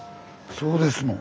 そうですのん。